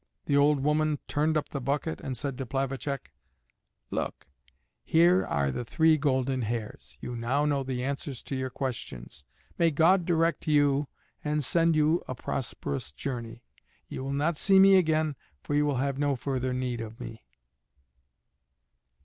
The old woman turned up the bucket and said to Plavacek: "Look, here are the three golden hairs. You now know the answers to your questions. May God direct you and send you a prosperous journey. You will not see me again, for you will have no further need of me."